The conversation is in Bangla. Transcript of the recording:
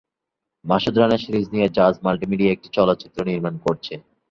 মাসুদ রানা সিরিজ নিয়ে জাজ মাল্টিমিডিয়া একটি চলচ্চিত্র নির্মান করছে।